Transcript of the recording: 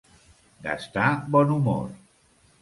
Gastar bon humor.